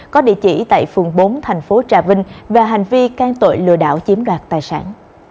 có địa chỉ tại phường bốn thành phố trà vinh về hành vi can tội lừa đảo chiếm đoạt tài sản